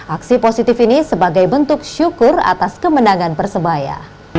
aksi positif ini sebagai bentuk syukur atas kemenangan persebaya